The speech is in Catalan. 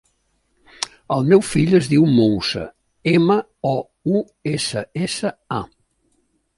El meu fill es diu Moussa: ema, o, u, essa, essa, a.